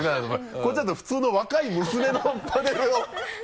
こっちだと普通の若い娘のパネルを